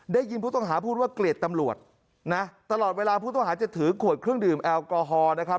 ได้ยินผู้ต้องหาพูดว่าเกลียดตำรวจนะตลอดเวลาผู้ต้องหาจะถือขวดเครื่องดื่มแอลกอฮอล์นะครับ